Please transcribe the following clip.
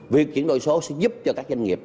việc chuyển đổi số sẽ giúp cho các doanh nghiệp